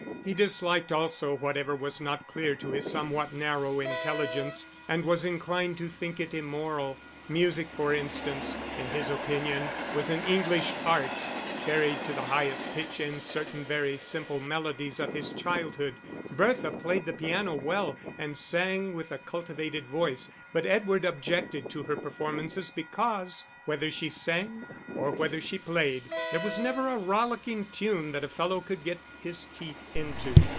He disliked also whatever was not clear to his somewhat narrow intelligence, and was inclined to think it immoral. Music, for instance, in his opinion was an English art, carried to the highest pitch in certain very simple melodies of his childhood. Bertha played the piano well and sang with a cultivated voice, but Edward objected to her performances because, whether she sang or whether she played, there was never a rollicking tune that a fellow could get his teeth into.